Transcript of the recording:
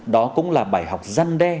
đó cũng là bài học gian đe